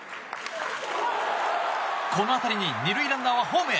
この当たりに２塁ランナーはホームへ。